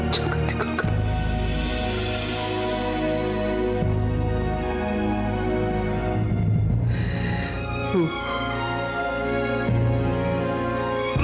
jangan tinggalkan ibu